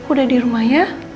udah dirumah ya